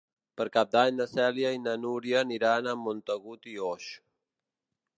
Per Cap d'Any na Cèlia i na Núria aniran a Montagut i Oix.